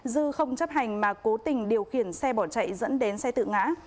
dư không chấp hành mà cố tình điều khiển xe bỏ chạy dẫn đến xe tự ngã